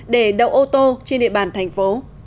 để đậu ô tô trên địa bàn thành phố